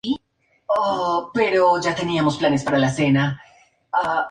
Sus principales recursos son petróleo, gas, hierro, zinc, plata, cobre y fosfatos.